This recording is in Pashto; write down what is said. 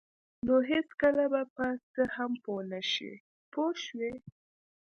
نو هېڅکله به په څه هم پوه نشئ پوه شوې!.